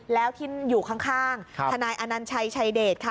แล้วที่อยู่ข้างทนายอนัญชัยชายเดชค่ะ